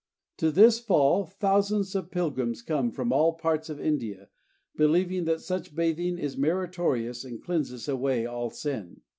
To this fall thousands of pilgrims come from all parts of India, believing that such bathing is meritorious and cleanses away all sin.